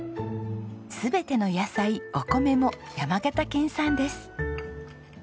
全ての野菜お米も山形県産です。